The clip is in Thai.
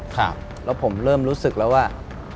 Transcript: ครับแล้วผมเริ่มรู้สึกแล้วว่า